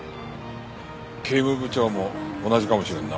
警務部長も同じかもしれんな。